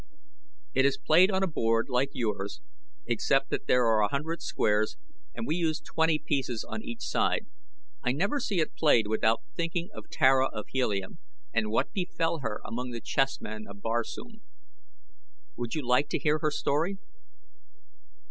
It is played on a board like yours, except that there are a hundred squares and we use twenty pieces on each side. I never see it played without thinking of Tara of Helium and what befell her among the chessmen of Barsoom. Would you like to hear her story?"